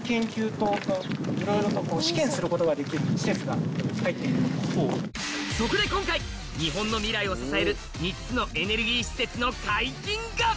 そしてそこで今回日本の未来を支える３つのエネルギー施設の解禁が！